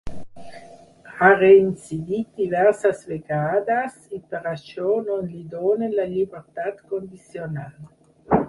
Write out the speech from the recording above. Ha reincidit diverses vegades, i per això no li donen la llibertat condicional.